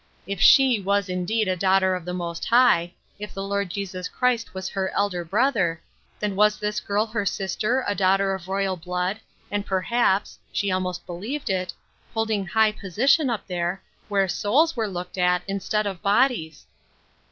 If she was indeed a daughter of the Most High, if the Lord Jesus Christ was her Elder Brother, then was this girl her sister, a daughter of royal blood, and per haps — she almost believed it — holding high position up there, where souls are looked at, instead of bodies.